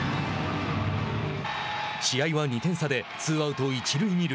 試合は２点差でツーアウト、一塁二塁。